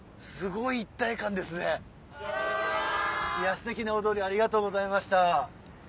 ステキな踊りありがとうございました。